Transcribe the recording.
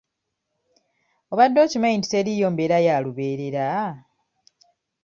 Obadde okimanyi nti teriiyo mbeera ya lubeerera?